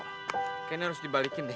kayaknya harus dibalikin deh